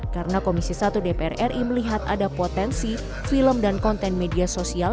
karena komisi satu dpr ri melihat ada potensi film dan konten media sosial